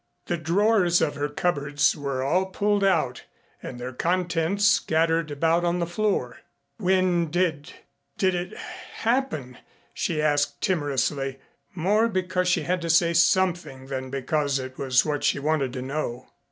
The drawers of her cupboards were all pulled out and their contents scattered about on the floor. "When did did it happen?" she asked timorously, more because she had to say something than because that was what she wanted to know.